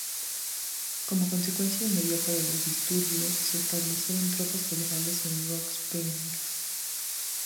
Como consecuencia inmediata de los disturbios, se establecieron tropas federales en Rock Springs.